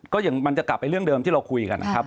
ก็อย่างมันจะกลับไปเรื่องเดิมที่เราคุยกันนะครับ